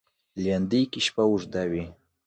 لېندۍ کې شپه اوږده وي.